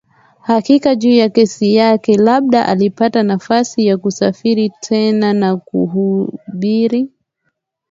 hakika juu ya kesi yake Labda alipata nafasi ya kusafiri tena na kuhubiri